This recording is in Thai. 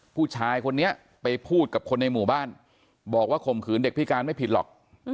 ผู้ชายคนนี้ไปพูดกับคนในหมู่บ้านบอกว่าข่มขืนเด็กพิการไม่ผิดหรอก